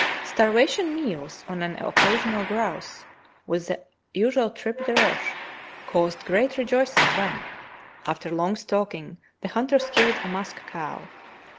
Starvation meals on an occasional grouse, with the usual tripe de roche, caused great rejoicing when, after long stalking, the hunters killed a musk cow.